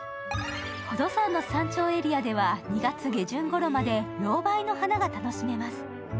宝登山の山頂エリアでは２月下旬ごろまでろうばいの花が楽しめます。